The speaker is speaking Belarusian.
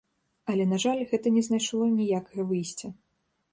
Але, на жаль, гэта не знайшло ніякага выйсця.